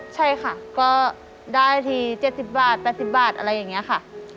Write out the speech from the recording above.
ใช่ค่ะก็ได้ที๗๐บาท๘๐บาทอะไรอย่างนี้ค่ะ